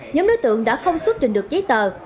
nhóm đối tượng đã không xuất trình được giấy tờ